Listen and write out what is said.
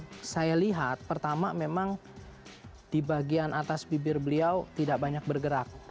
yang saya lihat pertama memang di bagian atas bibir beliau tidak banyak bergerak